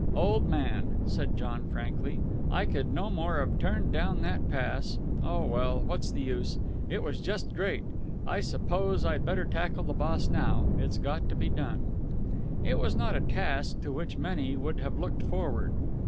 "Old man," said John frankly, "I could no more have turned down that pass Oh, well, what's the use? It was just great. I suppose I'd better tackle the boss now. It's got to be done." It was not a task to which many would have looked forward.